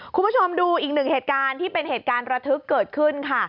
คุณผู้ชมดูอีกหนึ่งเหตุการณ์ที่เป็นเหตุการณ์ระทึกเกิดขึ้นค่ะ